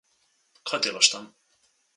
Kaj delaš tam?